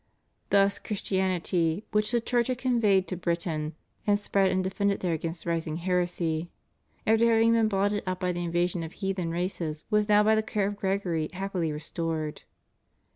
Thus Christianity, which the Church had conveyed to Britain, and spread and defended there against rising heresy/ after having been blotted out by the invasion of heathen races, was now by the care of Gregory happily restored.